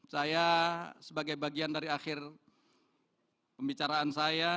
saya sebagai bagian dari akhir pembicaraan saya